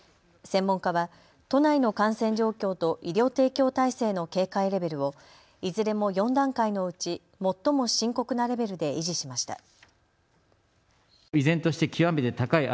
専門家は都内の感染状況と医療提供体制の警戒レベルをいずれも４段階のうち最も深刻なレベルで維持しました。